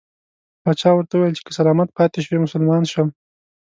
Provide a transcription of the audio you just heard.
پاچا ورته وویل چې که سلامت پاته شوې مسلمان شم.